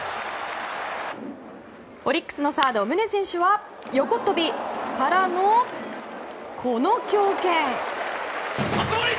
オリックスのサード、宗選手は横っ飛びからのこの強肩。